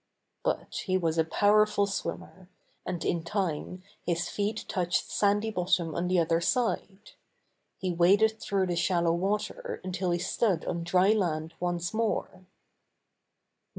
But he was a powerful swimmer, and in time his feet touched sandy bottom on the other side. He waded through the shallow water until he stood on dry land once more.